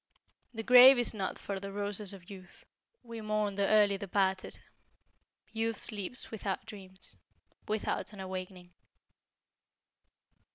The grave is not for the roses of youth; We mourn the early departed. Youth sleeps without dreams Without an awakening.